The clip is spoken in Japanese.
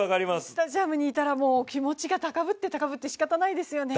スタジアムにいたら気持ちが高ぶって高ぶってしまいますよね。